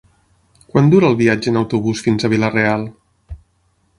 Quant dura el viatge en autobús fins a Vila-real?